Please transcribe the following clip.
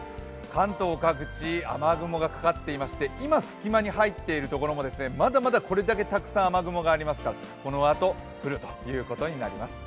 関東各地、雨雲がかかっていまして今隙間に入っているところもまだまだこれだけたくさん雨雲がありますから、このあと、降るということになります。